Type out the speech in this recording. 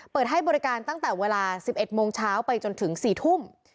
เปิดให้บริการตั้งแต่เวลา๑๑โมงเช้าไปจนถึง๔ทุ่ม